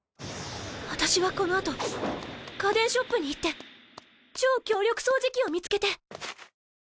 私はこの後家電ショップに行って超強力掃除機を見つけて